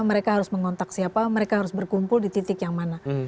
mereka harus mengontak siapa mereka harus berkumpul di titik yang mana